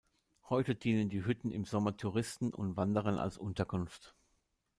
Heute dienen die Hütten im Sommer Touristen und Wanderern als Unterkunft.